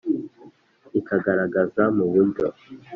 ikigaragaza mu buryo